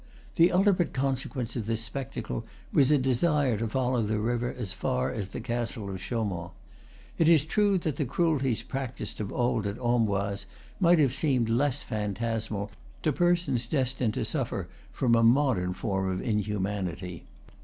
The ultimate con sequence of this spectacle was a desire to follow the river as far as the castle of Chaumont. It is true that the cruelties practised of old at Amboise might have seemed less phantasmal to persons destined to suffer from a modern form of inhumanity.